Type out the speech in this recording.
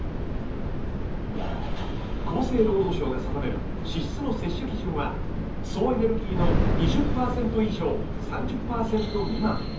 厚生労働省が定める脂質の摂取基準は総エネルギーの２０％以上３０％未満。